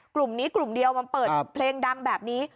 กลุ่มนี้กลุ่มเดียวมันเปิดเพลงดังแบบนี้